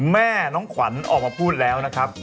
แม่น้องขวัญออกมาพูดแล้วนะครับ